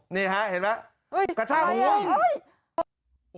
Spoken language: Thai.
นี่ฮะเห็นปะกระช่างห่วง